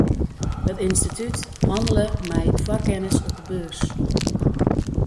It ynstitút hannele mei foarkennis op 'e beurs.